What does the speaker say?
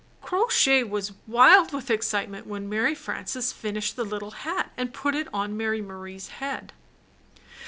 Crow Shay was wild with excitement when Mary Frances finished the httle hat and put it on Mary Marie's head.